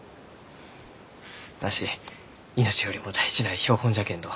わし命よりも大事な標本じゃけんど。